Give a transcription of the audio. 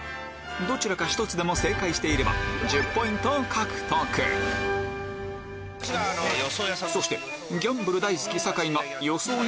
どちらか１つでも正解していれば１０ポイントを獲得そしていそう。